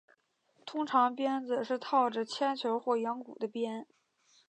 通常鞭子是套着铅球或羊骨的鞭。